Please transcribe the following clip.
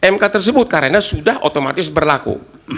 mk tersebut karena sudah otomatis berlaku